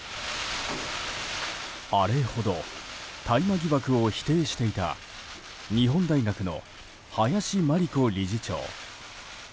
あれほど大麻疑惑を否定していた日本大学の林真理子理事長。